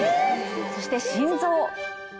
そして心臓。